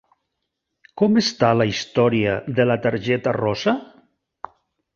Com està la història de la targeta rosa?